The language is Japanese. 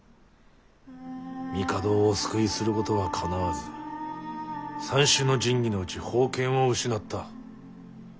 帝をお救いすることはかなわず三種の神器のうち宝剣を失った。